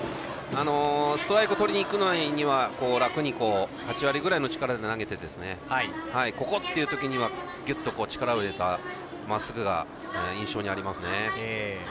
ストライクをとりにいくときは楽に８割ぐらいの力で投げてここ！っていう時にはぎゅっと力を入れた、まっすぐが印象にありますね。